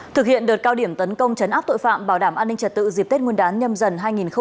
thực hiện đợt cao điểm tấn công chấn áp tội phạm bảo đảm an ninh trật tự dịp tết nguyên đán nhâm dần hai nghìn hai mươi bốn